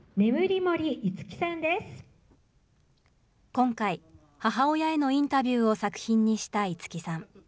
今回、母親へのインタビューを作品にした樹さん。